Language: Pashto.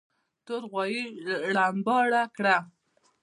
تور غوايي رمباړه کړه.